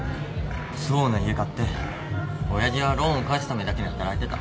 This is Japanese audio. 不相応な家買って親父はローンを返すためだけに働いてた。